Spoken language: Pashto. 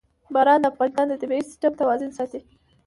باران د افغانستان د طبعي سیسټم توازن ساتي.